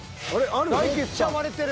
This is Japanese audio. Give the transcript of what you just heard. ある？